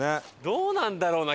どうなんだろうな。